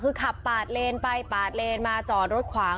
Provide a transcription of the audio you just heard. คือขับปาดเลนไปปาดเลนมาจอดรถขวาง